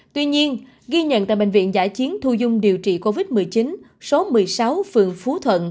tuy nhiên ghi nhận tại bệnh viện giã chiến thu dung điều trị covid một mươi chín số một mươi sáu phường phú thuận